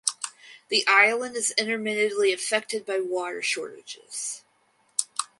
The island is intermittently affected by water shortages.